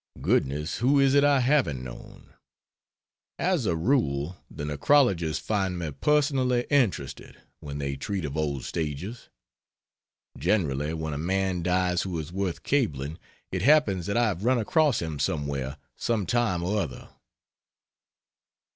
Goodness, who is it I haven't known! As a rule the necrologies find me personally interested when they treat of old stagers. Generally when a man dies who is worth cabling, it happens that I have run across him somewhere, some time or other.